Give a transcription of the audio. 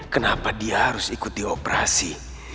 kenapa dia harus ikuti operasi